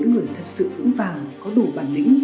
người thật sự vững vàng có đủ bản lĩnh